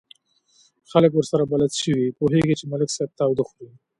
خلک ورسره بلد شوي، پوهېږي چې ملک صاحب تاوده خوري.